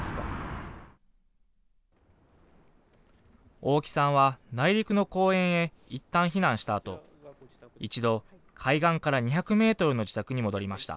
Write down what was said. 大木さんは内陸の公園へいったん避難したあと一度、海岸から２００ｍの自宅に戻りました。